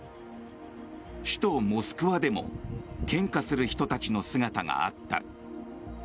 首都モスクワでも献花する人たちの姿があった。